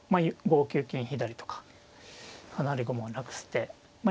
５九金左とか離れ駒をなくす手ま